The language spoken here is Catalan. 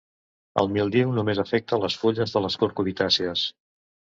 El míldiu només afecta les fulles de les cucurbitàcies.